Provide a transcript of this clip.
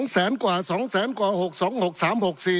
๒แสนกว่า๒แสนกว่า๖๖